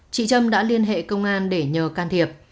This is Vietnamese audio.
chị trâm đã liên hệ công an để nhờ can thiệp